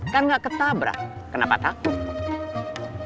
kan nggak ketabrak kenapa takut